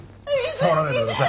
触らないでください。